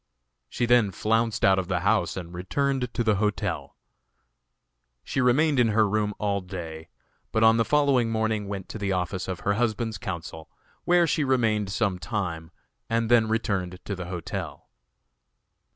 She then flounced out of the house and returned to the hotel. She remained in her room all day, but on the following morning went to the office of her husband's counsel, where she remained some time, and then returned to the hotel.